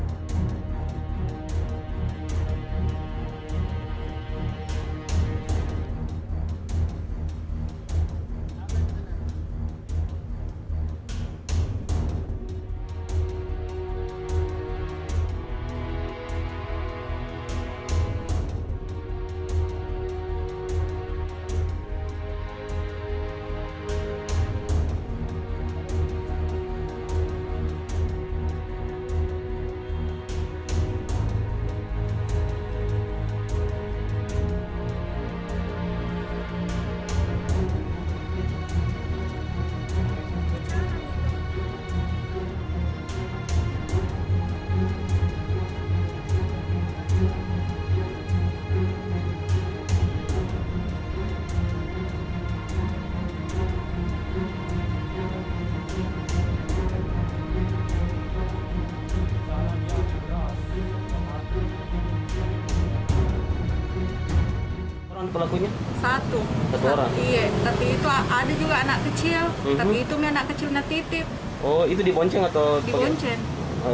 nah ini dari warga saya langsung ke sana